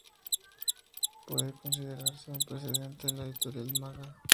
Puede considerarse un precedente de la Editorial Maga.